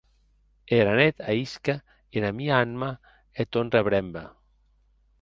Era net ahisque ena mia anma eth tòn rebrembe!